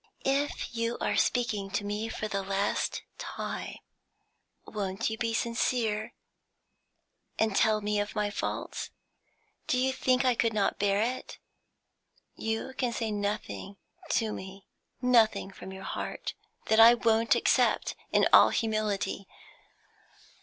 "If you are speaking to me for the last time, won't you be sincere, and tell me of my faults? Do you think I could not bear it? You can say nothing to me nothing from your heart that I won't accept in all humility.